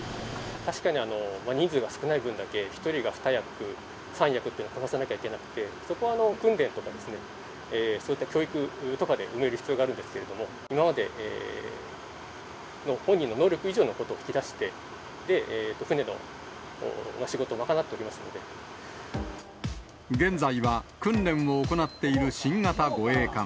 確かに、人数が少ない分だけ、１人が２役、３役っていうのはこなさなきゃいけなくて、そこは訓練とかですね、そういった教育とかで埋める必要はあるんですけれども、今までの本人の能力以上のことを引き出して、で、現在は訓練を行っている新型護衛艦。